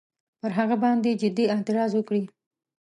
پر هغه باندي جدي اعتراض وکړي.